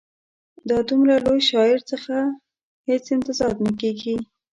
دا د دومره لوی شاعر څخه هېڅ انتظار نه کیږي.